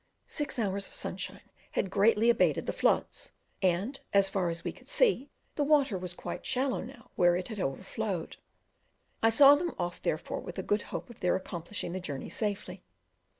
Six hours of sunshine had greatly abated the floods, and as far as we could see the water was quite shallow now where it had overflowed. I saw them set off therefore with a good hope of their accomplishing the journey safely.